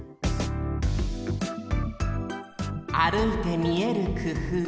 あるいてみえるくふう。